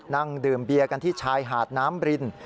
นั่งดื่มเบียร์กันที่ชายหาดน้ำบริน